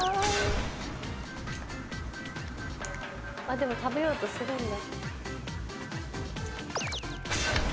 でも食べようとするんだ。